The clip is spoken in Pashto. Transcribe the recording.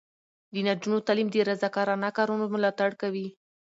د نجونو تعلیم د رضاکارانه کارونو ملاتړ کوي.